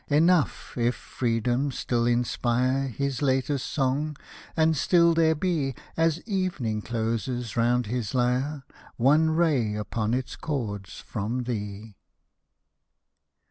Enough, if Freedom still inspire His latest song, and still there be. As evening closes round his lyre, One ray upon its chords from thee.